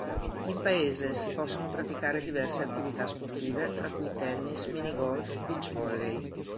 In paese si possono praticare diverse attività sportive, tra cui tennis, minigolf, beach volley.